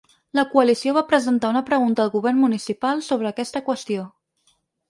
La coalició va presentar una pregunta al govern municipal sobre aquesta qüestió.